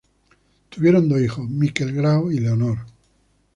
Tuvieron dos hijos, Miquel-Grau y Leonor.